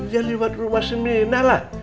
dia lewat rumah si mina lah